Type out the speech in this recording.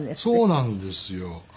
そうなんですよ。